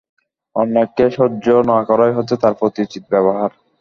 অন্যায়কে সহ্য না করাই হচ্ছে তার প্রতি উচিত ব্যবহার।